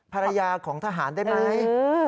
ภรรยาของทหารได้ไหม